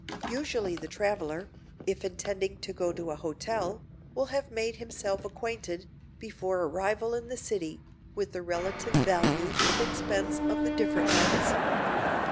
Usually the traveler, if intending to go to a hotel, will have made himself acquainted, before arrival in the city, with the relative value and expense of the different ones.